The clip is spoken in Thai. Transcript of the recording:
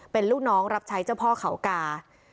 เป็นลูกน้องรับใช้เจ้าพ่อเขากา